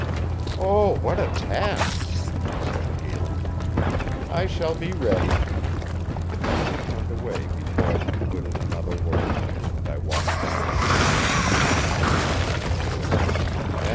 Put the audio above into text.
"Oh, what a task!" she said gaily. "I shall be ready." And she turned away before I could put in another word, and I walked down the room with Mrs. Knapp.